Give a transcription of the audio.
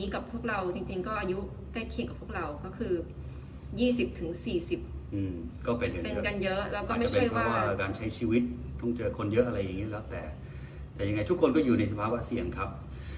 ระวังตัวให้ดีครับเป็นกำลังถามวิธีนี้นะครับ